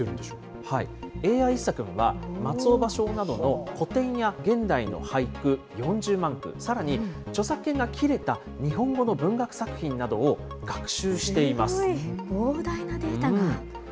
ＡＩ一茶くんは、松尾芭蕉などの古典や現代の俳句４０万句、さらに、著作権が切れた日本語のすごい、膨大なデータが。